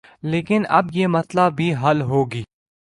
لیکن اب یہ مسئلہ بھی حل ہوگی